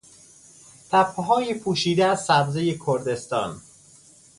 تپههای پوشیده از سبزهی کردستان